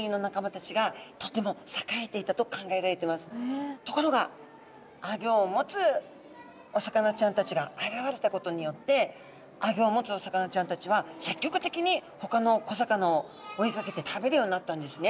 昔々のところがアギョを持つお魚ちゃんたちが現れたことによってアギョを持つお魚ちゃんたちは積極的にほかの小魚を追いかけて食べるようになったんですね。